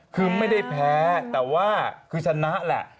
คือไม่ได้แพ้แต่ว่าคือชนะแหละ